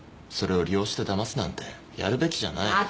それを利用してだますなんてやるべきじゃない。